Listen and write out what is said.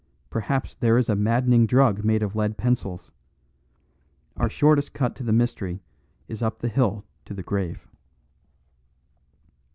Perhaps there is a maddening drug made of lead pencils! Our shortest cut to the mystery is up the hill to the grave."